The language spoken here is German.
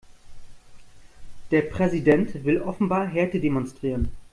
Der Präsident will offenbar Härte demonstrieren.